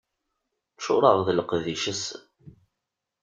Ččureɣ d leqdic ass-a.